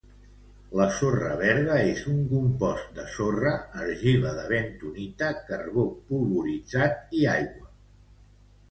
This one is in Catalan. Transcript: La sorra verda és un compost de sorra, argila de bentonita, carbó polvoritzat i aigua.